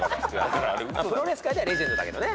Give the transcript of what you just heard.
プロレス界ではレジェンドだけどね。